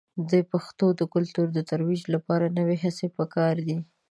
د پښتو د کلتور د ترویج لپاره نوې هڅې په کار دي.